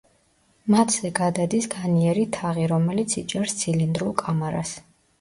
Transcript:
მათზე გადადის განიერი თაღი, რომელიც იჭერს ცილინდრულ კამარას.